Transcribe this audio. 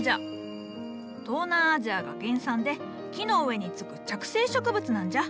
東南アジアが原産で木の上につく着生植物なんじゃ。